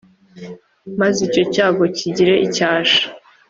maze icyo cyago kigire icyasha,